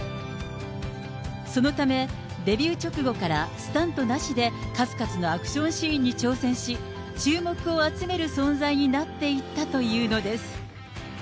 そのため、デビュー直後からスタントなしで数々のアクションシーンに挑戦し、注目を集める存在になっていったというのです。